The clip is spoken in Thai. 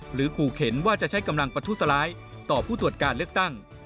ขู่เข็นว่าจะใช้กำลังประทุษร้ายต่อผู้ตรวจการเลือกตั้ง